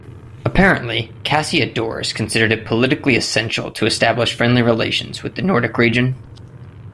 Apparently Cassiodorus considered it politically essential to establish friendly relations with the Nordic region.